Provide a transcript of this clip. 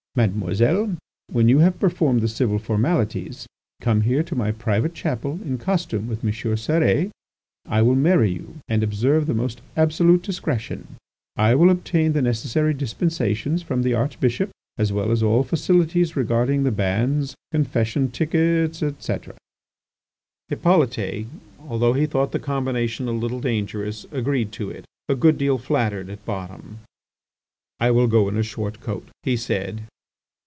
Mademoiselle, when you have performed the civil formalities come here to my private chapel in costume with M. Cérès. I will marry you, a observe the most absolute discretion. I will obtain the necessary dispensations from the Archbishop as well as all facilities regarding the banns, confession tickets, etc." Hippolyte, although he thought the combination a little dangerous, agreed to it, a good deal flattered, at bottom. "I will go in a short coat," he said.